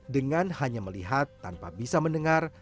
dengan hanya melihat tanpa bisa mendengar